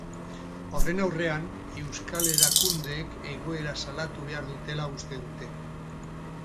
Horren aurrean, euskal erakundeek egoera salatu behar dutela uste dute.